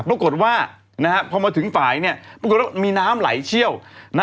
ปรากฏว่านะครับพอมาถึงฝ่ายเนี่ยปรากฏว่ามีน้ำไหลเชี่ยวนะ